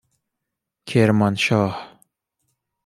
کرمانشاه